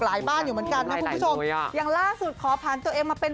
บ้านอยู่เหมือนกันนะคุณผู้ชมอย่างล่าสุดขอผ่านตัวเองมาเป็น